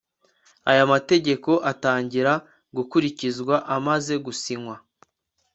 aya mategeko atangira gukurikizwa amaze gusinywa